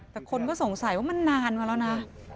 แต่คนก็สงสัยว่ามันนานมาแล้วนะ